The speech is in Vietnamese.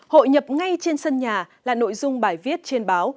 hội nhập ngay trên sân nhà là nội dung bài viết trên báo